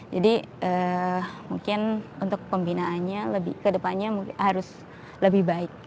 jadi mungkin untuk pembinaannya ke depannya harus lebih baik